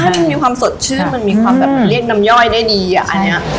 มันมีความสดชื่นมันมีความแบบมันเรียกน้ำย่อยได้ดีอ่ะอันนี้